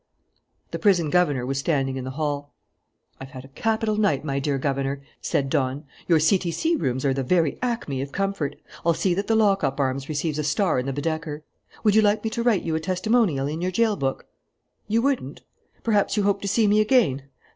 The prison governor was standing in the hall. "I've had a capital night, my dear governor," said Don "Your C.T.C. rooms are the very acme of comfort. I'll see that the Lockup Arms receives a star in the 'Baedeker.' Would you like me to write you a testimonial in your jail book? You wouldn't? Perhaps you hope to see me again?